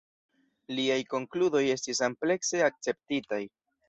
Liaj konkludoj estis amplekse akceptitaj.